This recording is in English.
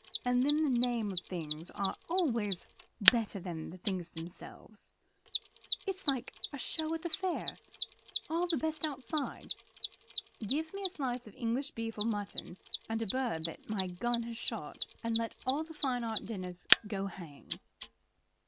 And then the names of the things are always better than the things themselves. It's like a show at a fair, all the best outside. Give me a slice of English beef or mutton, and a bird that my gun has shot, and let all the fine art dinners go hang."